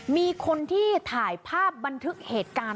มีคนที่ถ่ายภาพบันทึกเหตุการณ์